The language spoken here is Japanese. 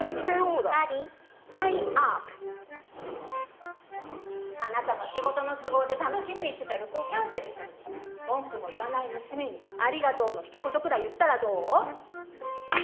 ダディハリーアップあなたの仕事の都合で楽しみにしてた旅行キャンセルしたのに文句も言わない娘にありがとうの一言くらい言ったらどう？